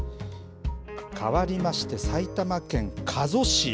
変わりまして、埼玉県加須市。